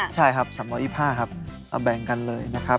ใช่ครับสามร้อยยิบห้าครับเอาแบ่งกันเลยนะครับ